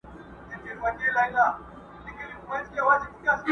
چي ښخ کړی یې پلټن وو د یارانو.!